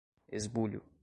esbulho